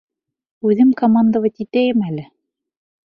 Үҙем командовать итәйем әле.